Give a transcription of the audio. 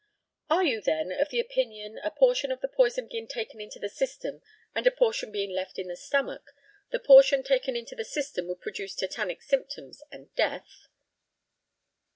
Are you, then, of opinion that, a portion of the poison being taken into the system and a portion being left in the stomach, the portion taken into the system would produce tetanic symptoms and death?